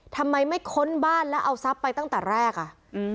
ทำไมไม่ค้นบ้านแล้วเอาทรัพย์ไปตั้งแต่แรกอ่ะอืม